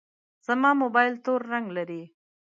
زما موبایل تور رنګ لري.